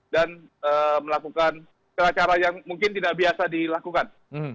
dan melakukan cara cara yang mungkin tidak biasa dilakukan